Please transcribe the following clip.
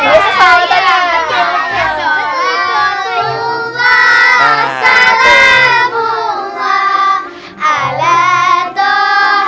allah salamu'allah ala toha